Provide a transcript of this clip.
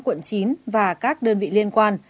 quận chín và các đơn vị liên quan